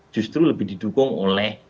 justru lebih didukung oleh